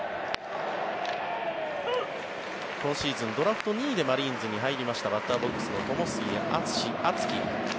今シーズン、ドラフト２位でマリーンズに入りましたバッターボックスの友杉篤輝。